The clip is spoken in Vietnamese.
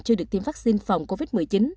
chưa được tiêm vaccine phòng covid một mươi chín